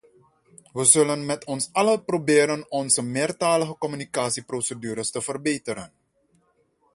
Wij zullen met ons allen proberen onze meertalige communicatieprocedures te verbeteren.